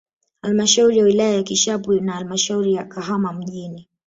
Halmashauri ya wilaya ya Kishapu na halamshauri ya Kahama mjini